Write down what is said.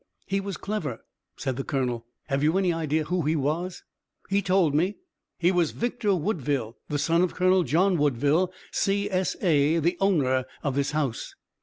"He was clever," said the Colonel. "Have you any idea who he was?" "He told me. He was Victor Woodville, the son of Colonel John Woodville, C.S.A., the owner of this house."